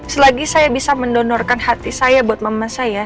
selagi saya bisa mendonorkan hati saya buat mama saya